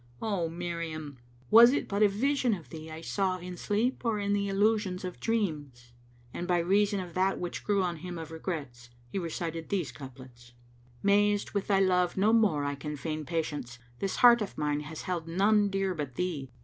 O Miriam! Was it but a vision of thee I saw in sleep or in the allusions of dreams?" And by reason of that which grew on him of regrets, he recited these couplets,[FN#506] "Mazed with thy love no more I can feign patience, This heart of mine has held none dear but thee!